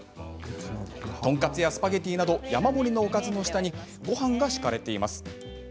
トンカツやスパゲッティなど山盛りのおかずの下にごはんが敷かれています。